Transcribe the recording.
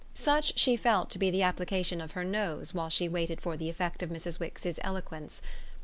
Such she felt to be the application of her nose while she waited for the effect of Mrs. Wix's eloquence.